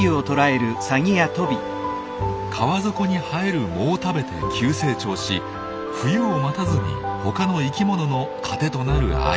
川底に生える藻を食べて急成長し冬を待たずに他の生きものの糧となるアユ。